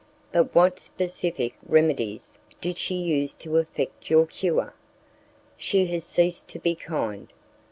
"But what specific remedies did she use to effect your cure?" "She has ceased to be kind."